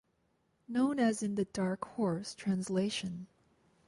Known as in the Dark Horse translation.